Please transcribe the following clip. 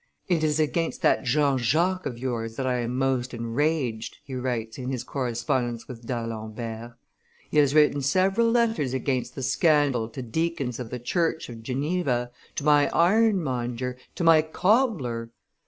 "It is against that Jean Jacques of yours that I am most enraged," he writes in his correspondence with D'Alembert: "he has written several letters against the scandal to deacons of the Church of Geneva, to my ironmonger, to my cobbler.